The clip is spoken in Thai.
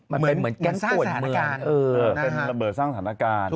เหมือนแก๊งส่วนเมืองเป็นระเบิดสร้างสถานการณ์